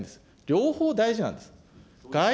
両方大事なんです。